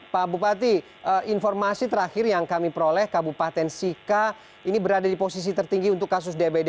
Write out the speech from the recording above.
pak bupati informasi terakhir yang kami peroleh kabupaten sika ini berada di posisi tertinggi untuk kasus dbd